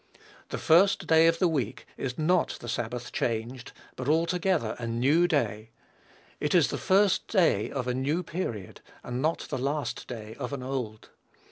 The first day of the week is not the Sabbath changed, but altogether a new day. It is the first day of a new period, and not the last day of an old.